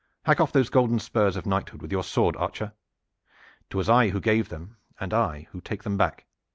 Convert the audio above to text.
Hack off these golden spurs of knighthood with your sword, archer! 'Twas I who gave them, and I who take them back.